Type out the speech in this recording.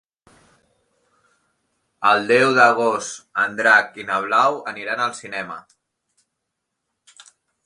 El deu d'agost en Drac i na Blau aniran al cinema.